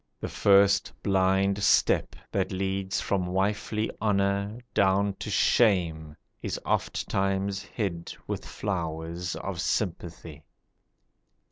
(The first blind step That leads from wifely honour down to shame, Is ofttimes hid with flowers of sympathy.)